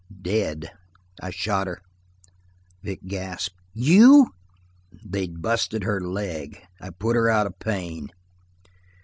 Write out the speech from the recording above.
"Dead. I shot her." Vic gasped. "You?" "They'd busted her leg. I put her out of pain."